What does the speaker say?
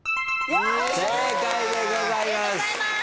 正解でございます。